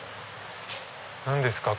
何ですか？